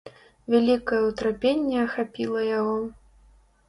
Вялікае ўтрапенне ахапіла яго.